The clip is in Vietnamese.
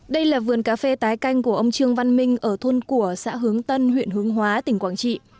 đây là vườn cà phê tái canh của ông trương văn minh ở thôn của xã hướng tân huyện hướng hóa tỉnh quảng trị